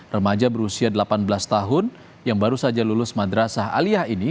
remaja berusia delapan belas tahun yang baru saja lulus madrasah alia ini